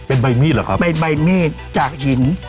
เป็นใบเมีดจากหิน